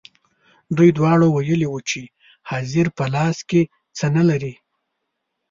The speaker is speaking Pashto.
دوی دواړو ویلي وو چې حاضر په لاس کې څه نه لري.